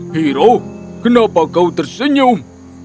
hero kenapa kau tersenyum